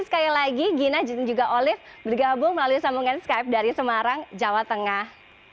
sekali lagi gina dan juga olive bergabung melalui sambungan skype dari semarang jawa tengah